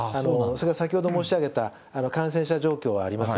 先ほど申し上げた感染者状況はありますが。